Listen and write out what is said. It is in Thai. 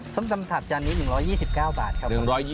ส้มตำถัดจานนี้๑๒๙บาทครับ